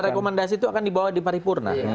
rekomendasi itu akan dibawa di paripurna